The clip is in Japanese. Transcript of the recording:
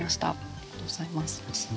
ありがとうございます。